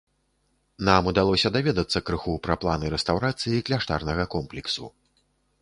Нам удалося даведацца крыху пра планы рэстаўрацыі кляштарнага комплексу.